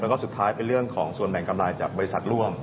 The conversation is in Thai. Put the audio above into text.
แล้วก็สุดท้ายเป็นเรื่องของส่วนแบ่งกำไรจากบริษัทร่วม